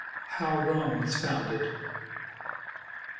HOW ROME WAS FOUNDED I.